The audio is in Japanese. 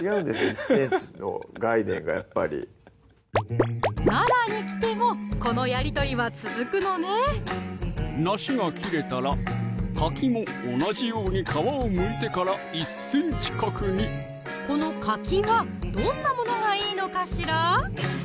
１ｃｍの概念がやっぱり奈良に来てもこのやり取りは続くのねなしが切れたらかきも同じように皮をむいてから１ｃｍ角にこのかきはどんなものがいいのかしら？